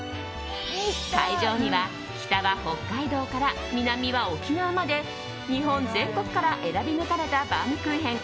会場には、北は北海道から南は沖縄まで日本全国から選び抜かれたバウムクーヘン